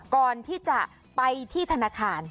ก่อนที่จะไปที่ธนาคาร